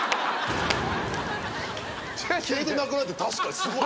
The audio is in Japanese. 消えてなくなるって確かにすごいなと思った。